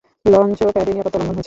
লঞ্চ-প্যাডে নিরাপত্তা লঙ্ঘন হয়েছে।